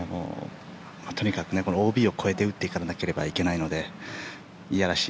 とにかくＯＢを越えて打っていかなければいけないのでいやらしい